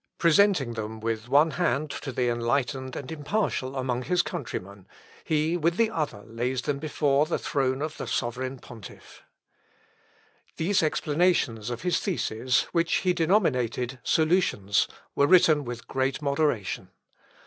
Presenting them with one hand to the enlightened and impartial among his countrymen, he with the other lays them before the throne of the sovereign pontiff. These explanations of his theses, which he denominated Solutions, were written with great moderation.